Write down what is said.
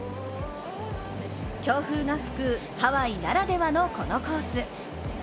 強風が吹くハワイならではのこのコース。